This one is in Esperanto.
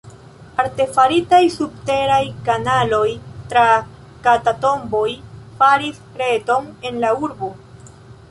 Artefaritaj subteraj kanaloj tra katakomboj faris reton en la urbo.